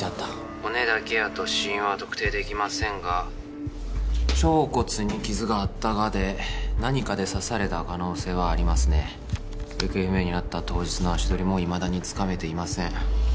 ☎骨だけやと死因は特定できませんが腸骨に傷があったがで何かで刺された可能性はありますね行方不明になった当日の足取りもいまだにつかめていません